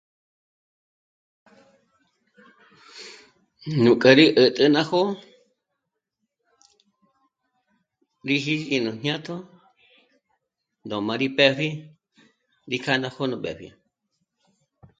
Núj kjá rí 'ä̀t'ä ná jó'o rí 'ìji í nú jñátjo ndóm'arí pë́pji rí jâná jó'o nú mbépji